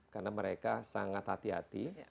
karena mereka sangat hati hati